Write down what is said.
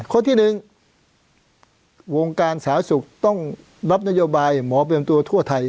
ที่๑วงการสาธารณสุขต้องรับนโยบายหมอเตรียมตัวทั่วไทย